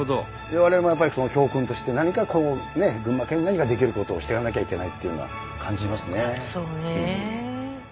我々もやっぱりその教訓として何かこう群馬県に何かできることをしていかなきゃいけないというのは感じますね。